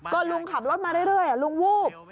ก็ลุงขับรถมาเรื่อยลุงวูบ